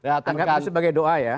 anggapnya sebagai doa ya